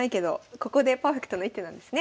ここでパーフェクトな一手なんですね。